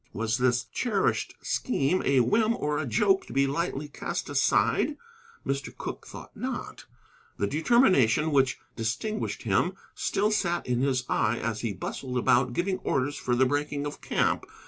Was this cherished scheme a whim or a joke to be lightly cast aside? Mr. Cooke thought not. The determination which distinguished him still sat in his eye as he bustled about giving orders for the breaking of camp.